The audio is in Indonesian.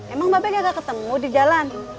emang bapak gak ketemu di jalan